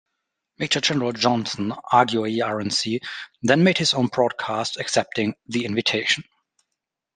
Major General Johnson Aguiyi-Ironsi then made his own broadcast, accepting the "invitation".